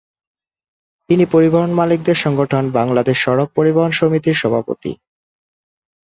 তিনি পরিবহন মালিকদের সংগঠন ‘বাংলাদেশ সড়ক পরিবহন সমিতির’ সভাপতি।